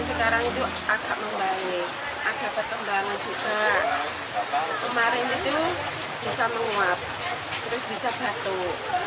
sekarang itu agak membaik ada perkembangan juga kemarin itu bisa menguap terus bisa batuk